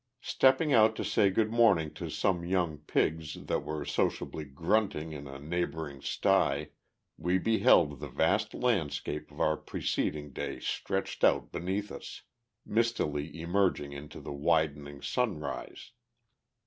Stepping out to say good morning to some young pigs that were sociably grunting in a neighbouring sty, we beheld the vast landscape of our preceding day stretched out beneath us, mistily emerging into the widening sunrise.